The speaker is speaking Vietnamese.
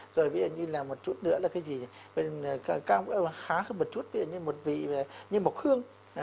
rồi ví dụ như là một chút nữa là cái gì khá hơn một chút như một vị như một hương